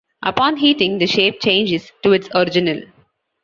Upon heating, the shape changes to its original.